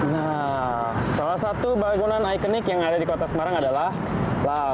nah salah satu bangunan ikonik yang ada di kota semarang adalah lau